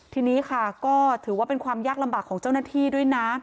ทีนี้ค่ะก็ถือว่าเป็นความยากลำบากของเจ้าหน้าที่ด้วยนะ